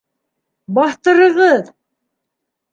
Баҫтырығыҙ!